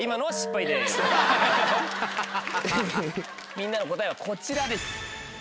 みんなの答えはこちらです。